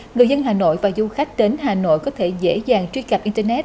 người dân hà nội và du khách đến hà nội có thể dễ dàng truy cập internet